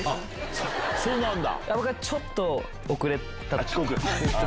そうなんだ。